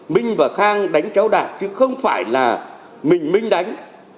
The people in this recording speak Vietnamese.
mình và khang đánh cháu đạt chứ không phải là mình mình đánh